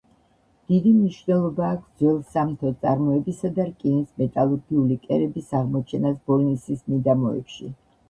დიდი მნიშვნელობა აქვს ძველ სამთო წარმოებისა და რკინის მეტალურგიული კერების აღმოჩენას ბოლნისის მიდამოებში.